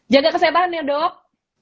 jaga kesehatan ya dok